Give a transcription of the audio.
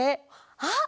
あっ！